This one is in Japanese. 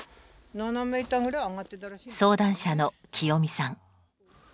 相談者のきよみさん。